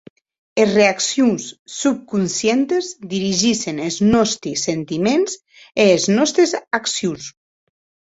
Es reaccions subconscientes dirigissen es nòsti sentiments e es nòstes accions.